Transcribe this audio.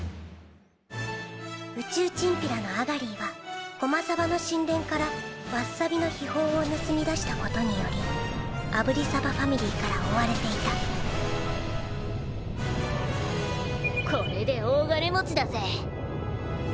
宇宙チンピラのアガリィはゴマサバの神殿からワッサビの秘宝をぬすみ出したことによりアブリサバファミリーから追われていたこれで大金持ちだぜ。